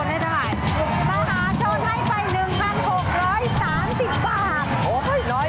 มาหาโชนให้ถ่าย